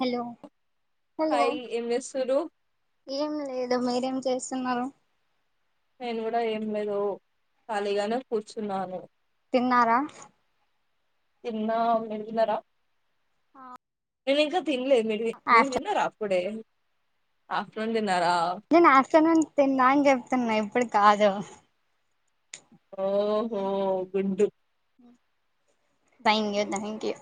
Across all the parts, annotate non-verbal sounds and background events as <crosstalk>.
Hello hello hi ఏం చేస్తుర్రు ఏం లేదు మీరేం చేస్తున్నారు నేను కూడా ఏం లేదు ఖాళీగానే కూర్చున్నాను తిన్నారా తిన్న మీరు తిన్నారా ఆ నేనింకా తినలేదు మీ మీరు తిన్నరా ప్పుడే ఆఫ్టర్నూ <unintelligible> నేను ఆఫ్టర్నూన్ తిన్నా అని చెప్తున్నా ఇప్పుడు కాదు ఓహో గుండూ థ్యాంక్ యూ థ్యాంక్ యూ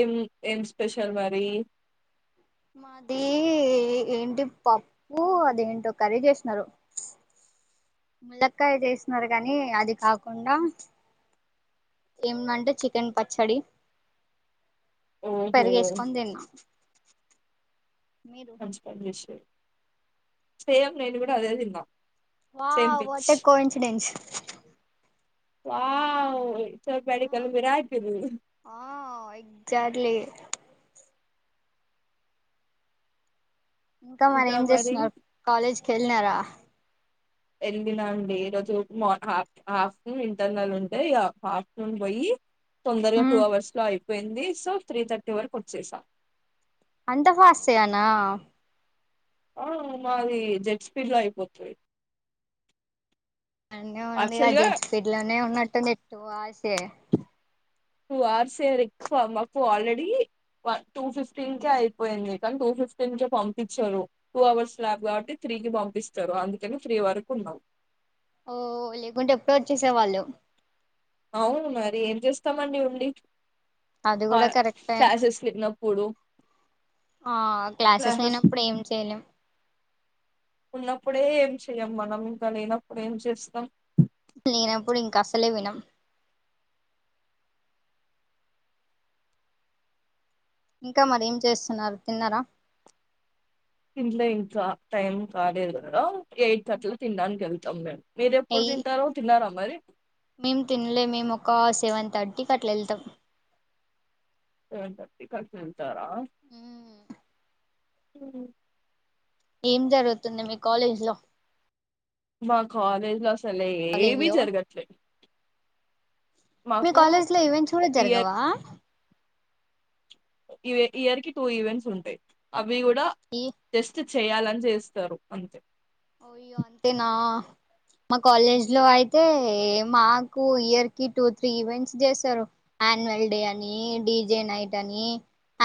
ఏం ఏం స్పెషల్ మరి మాది ఏంటి పప్పు అదేంటో కర్రీ చేశ్నారు ముల్లక్కాయ చేశ్నారు కానీ అది కాకుండా ఏందంటే చికెన్ పచ్చడి ఓహో పెరుగేసుకొని తిన్నా మంచి పని చేశారు సేమ్ నేను కూడా అదే తిన్న wow what a coincidence wow చో ప్యాడి కల్ మిరాకిల్ ఆ ఎగ్జాక్ట్లీ ఇంకా మరేం చేస్తున్నారు కాలేజ్కే న్నారా వెళ్ళినా అండి ఈ రోజు <unintelligible> హాఫ్టర్నూన్ ఇంటర్నల్ ఉంటే ఇగ హాఫ్టర్నూన్ పోయి తొందరగా టూ అవర్స్ లో అయి పోయింది సో త్రీ థర్టీ వరకు వచ్చేసా అంత ఫాస్ట్ గా నా ఆ మాది జెట్ స్పీడ్ లో అయిపోతుది అన్నీ ఉంది గా జెట్ స్పీడ్ లోనే ఉన్నట్టుంది టూ అ <unintelligible> సే టూ అవర్స్ <unintelligible> మాకు ఆల్రెడీ టూ ఫిఫ్టీన్ కే అయిపోయింది కానీ టూ ఫిఫ్టీన్ కే పంపిచ్చరు టూ అవర్స్ లాబ్ కాబట్టి త్రీ కి పంపిస్తారు అందుకని త్రీ వరకు ఉన్నాం ఓ లేకుంటే ఎప్పుడో వచ్చేసే వాళ్ళు అవును మరి ఏం చేస్తామండీ ఉండి ఆది కా కూడా కరెక్ట్ క్లాసెస్ లేనప్పుడు ఆ క్లాసస్ క్లాసెస్ లేనపుడు ఏం చేయలేమ్ ఉన్నప్పుడే ఏం చెయం మనం ఇకా లేనప్పుడు ఏం చేస్తాం కసలే వినమ్ ఇంకా మర ఏం చేస్తున్నారు తిన్నారా ఇంట్లో ఇంకా టైం కాలేదు కదారా ఎయిట్ కి అట్లా తినడానికెళ్తుంది సమ్ మే మీరు ఎప్పుడు ఎయి తింటారో తిన్నారా మరి మేము తినలె మేము ఒక సెవెన్ థర్టీకి అట్ల వెళ్తాం సెవెన్ థర్టీ కసినం తారా మ్మ్. మ్మ్ ఏం జరుగుతుంది మీ కాలేజ్ లొ మా కాలెజ్లో అస్ లేమి లో జరగట్లే మీ మాకు కాలేజ్ లో ఈవెంట్స్ కూడ ఇయర్ జరగవా ఈ ఇయర్ కి టూ ఈవెంట్స్ ఉంటాయి అవ్ అవి కూడ ఈ టెస్ట్ చేయాలని చేస్తారు అంతె అయ్యో అంతేనా మా కాలేజ్ లొ అయిత్ అయితే మాకు ఇయర్ కి టూ త్రీ ఈవెంట్స్ చేస్తారు ఆన్యువల్ డే అని డీజే నైట్ అని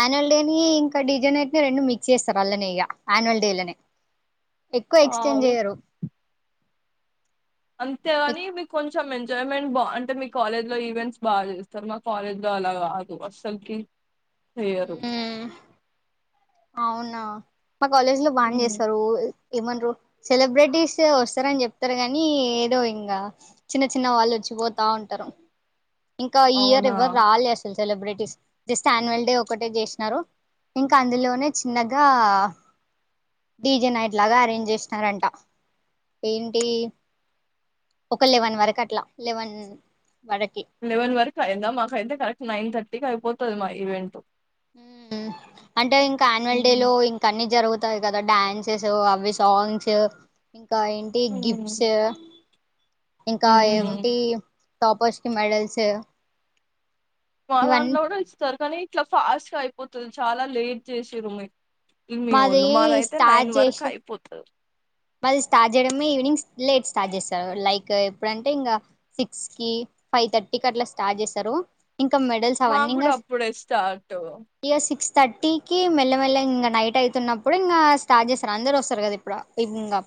యాన్యువల్ డేని ఇంకా డీజే నైట్ ని రెండు మిక్స్ చేస్తారు అట్లనే ఇగ ఆన్యువల్ డేలనె ఎక్కువ ఎక్స్టెండ్ వావ్ చెయ్యరు అంతేగాని మీకు కొంచెం కొంచెం ఎంజాయ్మెంట్ బా అంటె మీ కాలేజ్ లో ఈవెంట్స్ బాగా చేస్తారు మా కాలేజ్ లొ అలా కాదు అసలకి చేయరు అవునా మా కాలేజ్ లో బానె హ్మ్. చేస్తారు ఏమనరో సెలబ్రిటీస్ వస్తారని చెప్తారు గాని ఏదో ఇంక చిన్న చిన్న వాళ్ళు వచ్చిపోతా ఉంటారు ఇంకా ఈ ఇయర్ అవునా ఎవ్వరు రాలె అసలు సెలబ్రిటీస్ జస్ట్ యాన్యువల్ డే ఒకటె చేసినారు ఇంకా అందులోనె చిన్నగ డీజే నైట్ లాగా అరేంజ్ చేసినారంట ఏంటి ఒక లెవెన్ వరకు అట్ల లెవెన్ వరకి లెవెన్ వరకు అయింద మాకైతె కరెక్ట్ నైన్ థర్టీ కి అయిపోతుంది మా ఈవెంట్ మ్మ్ అంటె ఇంక ఆన్యువల్ డే లొ హ్మ్ ఇంక అన్ని జరుగుత్ తాయి కద డాన్సెస్ అవి సాంగ్స్ ఇంకా ఏంటి గిఫ్ట్స్ హ్మ్ ఇంకా హ్మ్. ఏమిటి టాపర్స్ కి మెడల్స్ మా ఇవన్నీ దాంట్లో కూడా ఇస్తారు కానీ ఇట్లా ఫాస్ట్ గా అయిపోతది చాలా లేట్ చేసిర్రు మీక్ మీ ఒళ్ళు మాది అయితె నైన్ వరకు అయిపోతది మది స్టార్ట్ చేయడమే ఈవినింగ్ లేట్ స్టార్ట్ చేస్తారు లైక్ ఎప్పుడంటే ఇంకా సిక్స్ కి ఫైవ్ థర్టీకి అట్లా స్టార్ట్ చేస్తారు ఇంకా మెడల్స్ అవ్వండి మాకు ఇంకా కూడా అప్పుడే స్టార్ట్ ఇయర్ సిక్స్ థర్టీకి మెల్లమెల్లగా ఇంకా నైట్ అయితున్నప్పుడు ఇంగా స్టార్ట్ చేస్తారు అందరు వస్తరు కదా ఇప్పుడు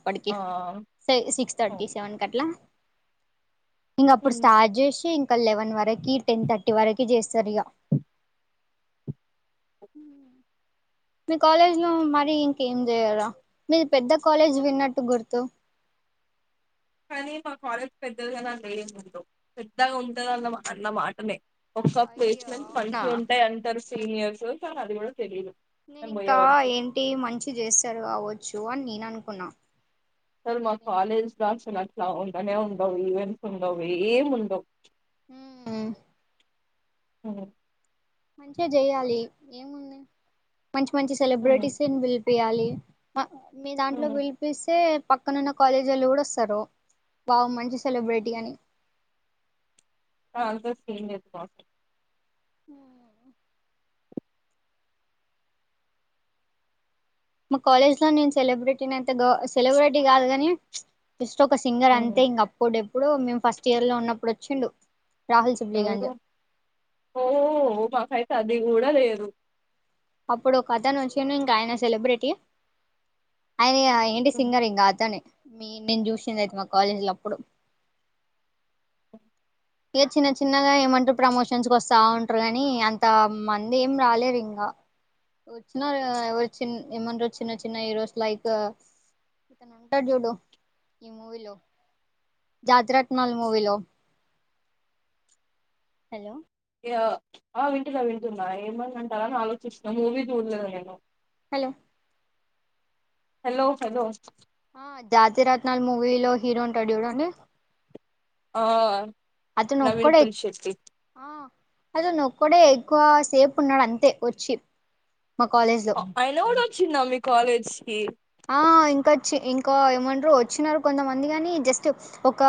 గుడికి ఆ అవును. సిక్స్ థర్టీ సెవెన్ కట్లా ఇంగ అప్పుడు హ్మ్. స్టార్ట్ చేసి ఇంకా లెవెన్ వరకి టెన్ థర్టీ వరకి చేస్తరు ఇగ మీ కాలేజ్ లో మరి ఇంకేం చేయరా మీది పెద్ద కాలేజ్ విన్నట్టు గుర్తు కానీ మా కాలేజ్ పెద్దదిగా అన్ తెలియకుండు పెద్దగా ఉంటదన్న అన్న మాటనే ఒకసారి అయ్యో ప్లేస్మెంట్ అవునా పంచి ఉంటాయి అంటారు సీనియర్స్ కాని అది గుడా తెలిదు నేను ఇంకా ఏంటి మంచి చేస్తరు కావచ్చు అని నేన అనుకున్నా కాని మా కాలేజ్ బ్రాంచ్ లో వాలు అట్లవాలు అనే ఉండవు ఈవెంట్స్ ఉండవు ఏం ఉండవు హుమ్ హుమ్ మంచిగా జేయాలి ఏముంది మంచి మంచి ఉమ్, సెలబ్రిటీస్నీ పి పియాలి మ మీ ఉమ్, దాంట్లో ఉమ్. బిలిపిస్తే పక్కనున్న కాలేజోలు గుడా వస్తరు బాగ మంచి సెలబ్రేటీ అని అన్సర్స్ కి ఎన్ చెప్పా హ్మ్ హ్మ్ మా కాలేజ్ లో నేను సెలబ్రిటీని అయితె గొ సెలబ్రిటీ కాదు గాని ఒక సింగర్ ఉమ్, అంతే ఇంగ అప్పుడెప్ ప్పుడో మేము ఫస్ట్ ఇయర్ లో ఉన్నప్పుడు వచ్చిండు రాహుల్ సిబ్లీగంజ్ ఎవరు ది గూడా లేదు అప్పుడు ఒక అతను వచ్చిన్ను ఇంకా ఆయన సెలబ్రిటీ ఆయన ఇగ ఏంటి ఉమ్, సింగర్ ఏం గాదు అని మీ నేను చూసిండే అయితే మా కాలేజీలో అప్పుడు ఇగ చిన్న చిన్నగా ఏమంటారు ప్రమోషన్స్కి వస్తా ఉంటారు గానీ అంత మంది ఏం రాలేరు ఇంగా చిన్న ఎవరు చి ఏమంటారు చిన్న చిన్న హీరోస్ లైక్ ఇతను ఉంటాడు చూడు ఈ మూవీలో జాతి రత్నాల్ మూవీలో హలో ఆ వింటున్నా వింటున్నా ఏమన్నా అంటారని ఆలోచిస్తున్నా మూవీ జూల్లేదు నేను హలో హలో హలో ఆ జాతిరత్నాల్ మూవీలో హీరో ఉంటాడు చూడండి ఆ అతను నవీన్ ఒకడే పులి శెట్టి హలో నువ్వు ఒక్కడివే ఎక్కువ సేపు ఉన్నాడు అంతే వచ్చి మా కాలేజ్ లో అ ఐ లవడు వోచ్చిందా మీ కాలేజ్ కి ఆ ఇంకచ్చి ఇంకా ఏమంటరు వోచ్చినరు కొంతమంది గాని జస్ట్ ఒక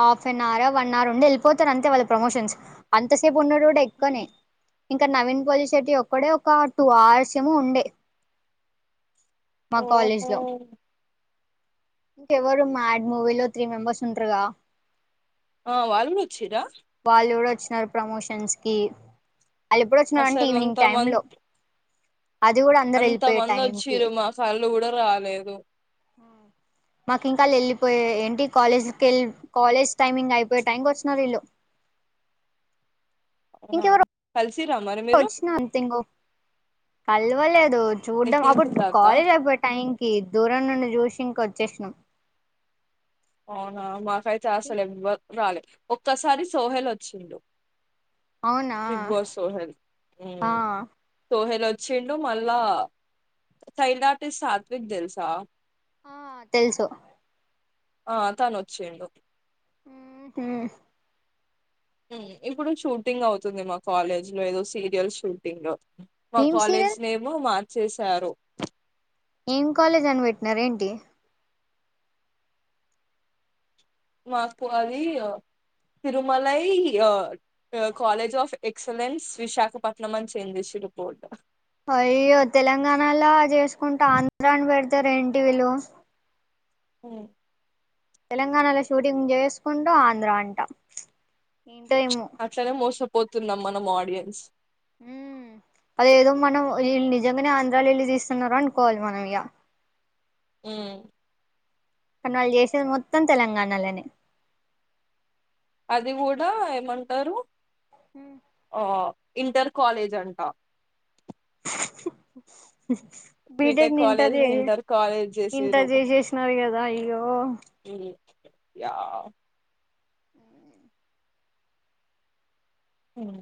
హాఫ్ న్ అవర్ వన్ అవర్ ఉండే వెళ్ళిపోతరు అంతే వాళ్ళు ప్రమోషన్స్ అంతసేపు ఉండరు ఇంకా ఎక్కనే ఇంక్ ఇక్కడ నవీన్ పోలి శెట్టి ఒక్కడే ఒక టూ అవర్స్ ఏం ఉండే మా కాలేజ్ ఓహో లో ఇంక ఎవరు మా యాడ్ మూవీ లో త్రీ మెంబెర్స్ ఉంటారుగా ఆ వాళ్ళు కూడా వచ్చిరా వాళ్ళు కూడా వచ్చినారు ప్రమోషన్కి సంస్కిప్ వాళ్ళు ఎప్పుడ వచ్చినారంటే అసలు ఈవినింగ్ అంత టైమ్ లో మంది అది కూడా అందరు వెళ్ళిపోయ టైంకి అలు కూడా రాలేదు మాకు ఇంకాళ్ళు వెళ్ళిపోయే ఏంటి కాలేజ్కి వెళ్ళ కాలేజ్ టైమింగ్ అయిపోయే టైం వచ్చిన వీళ్ళు నా కల్సి వచ్చినంగ్ కలవలేదు చూడ్డం నిఖిల్ అప్పుడు సిద్ధార్థ కాలేజ్ అయిపోయే టైం క దూరం నుండి చూసి ఇంకొ చేష్ణం అవునా మా కాతేస బ రాల ఒక్కసారి సోహెల్ వచ్చిండు అవునా బిగ్ బాస్ సోహెల్ ఆ సోహెల్ వచ్చిండు మళ్ళా సైన్ ఆర్టిస్ సాత్విక్ తెలుసా ఆ తెలుసు ఆ తను వచ్చేండు హ ఇప్పుడు షూటింగ్ అవుతుంది వస్తుంది మా కాలేజ్ లో ఏదో సీరియల్ షూటింగ్ లో మా ఏం కాలేజ్ సీరియల్ నేమ్ మా చేశారు. ఏం కాలేజ్ అని పెట్టినార ఏంటి మాకు అది Tirumalai college of excellence Visakhapatnam అని చేంజ్ చేషిర్రు బోర్డు అయ్యో తెలంగాణలో చేసుకుంటే ఆంధ్రాన్ని పెడతారు ఏంటి వీళ్లు హ్మ్ తెలంగాణలో షూటింగ్ చేసుకుంటూ, ఆంధ్ర అంటాం. ఏంటో ఏమో పోతున్నాం మనం ఆడియన్స్ ఉమ్ అద ఏదో మనం ఈళ్ళు నిజంగానే ఆంధ్రాలు వెళ్ళి తీస్తున్నారు. అనుకోవాలి మనం ఇగా హ్మ్ కానీ వాళ్ళు చేసేది మొత్తం తెలంగాణలోనే అది కూడా ఏమంటారు. ఆ ఇంటర్ కాలేజ్ అంట బీటెక్ ని ఇంటర్ చే ఇంటర్ చేసేసినారు. కదా అయ్యో యా హ్మ్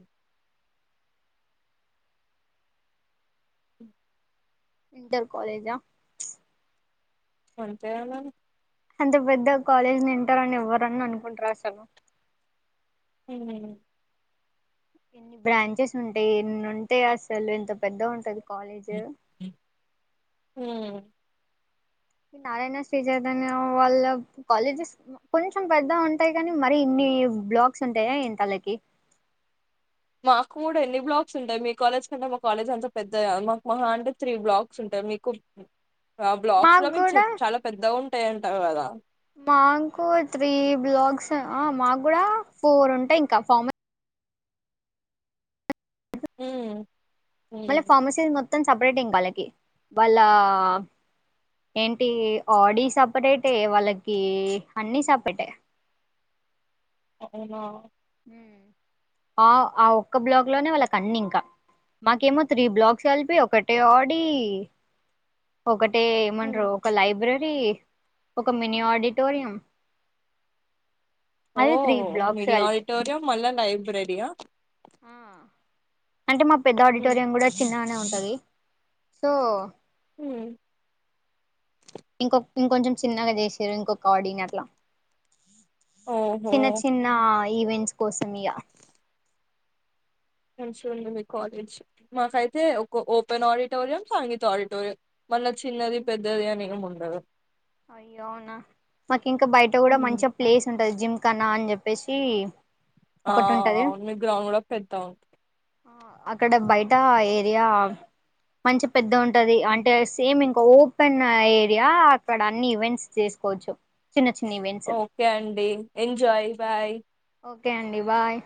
ఇంటర్ కాలేజా ప్చ్ అంతే కదా అంత పెద్ద కాలేజ్ ని ఇంటర్ అని ఎవ్వరన్నా అనుకుంటారా అసలు హ్మ్ ఎన్ని బ్రాంచెస్ ఉంటాయి. ఎన్ని ఉంటే అసలు ఎంత పెద్దగా ఉంటది. కాలేజ్ హ్మ్ ఈ నారాయణ, శ్రీ చైతన్యా వాళ్ళ కాలేజెస్ కొంచెం పెద్దగా ఉంటాయి. కానీ మరి ఇన్ని బ్లాక్స్ ఉంటాయా ఏంటి వాళ్ళకి మాకు కూడా ఎన్ని బ్లాక్స్ ఉంటాయి. మీ కాలేజ్ కంటే మా కాలేజ్ అంత పెద్ద మాకు మాహ అంటే త్రీ బ్లాక్స్ ఉంటాయి. మీకు ఆ బ్లాక్స్ లో మాకు మీకు కూడా చాలా పెద్దగా ఉం ఉంటాయ్ అంటావ్ కదా మాకు త్రీ బ్లాగ్స్ మాకు కూడా ఫోర్ ఉంటాయి. ఇంకా ఫామ్ హ్మ్ మళ్ళ ఫార్మసీ మొ మొత్తం సపరేట్ ఇంకా వాళ్ళకి, వాళ్ళ ఏంటి ఆడీ సపరేటే వాళ్ళకి అన్ని సపరేటే అవునా ఆ ఆ ఒక్క బ్లాక్ లోనే వాళ్ళకు అన్ని ఇంకా మాకేమో త్రీ బ్లాక్స్ కలిపి ఒకటే ఆడి ఒక అంటే ఏమంట్రూ ఉమ్. ఒక లైబ్రరీ ఒక మినీ ఆడిటోరియం అదే త్రీ బ్లాక్స్ కల్పి మళ్ళ లైబ్రరియా ఆ అంటే మా పెద్ద హ్మ్ ఆడిటోరియం కూడా చిన్నగానే ఉంటుంది. స సో హ ఇంకొ ఇంకొంచెం చిన్నగా చేసారు ఇంకొక ఆడిని అట్లా ఓహో! చిన్న చిన్న ఈవెంట్ కోసంయా మంచింది మీ కాలేజ్ మాకైతే ఒక ఓపెన్ ఆడిటోరియం సంగీత ఆడిటోరియం మళ్ళ చిన్నది పెద్దది అనే ఉంటంది అ అయ్య అవునా మాకు ఇంకా బయట కూడా హ్మ్. మంచిగా ప్లేస్ ఉంటంది జిమ్ కన్నా అని చెప్పేసి ఆ ఒకటి ఆ ఉంటది అవును మీ గూడా అవ్కూడా పెద్దా <inaudible> ఆ అక్కడ బయట ఏరియా మంచి పెద్ద ఉం ఉంటది ఉంటుంది. అంటే సేమ్ ఇంకా ఓపెన్ ఏరియా ఇక్కడ అన్ని ఈవెంట్స్ చేసుకోవచ్చు. చిన్న చిన్న ఈవెంట్స్ ఓకే అండి ఎంజాయ్ బాయ్ ఓకే అండి బాయ్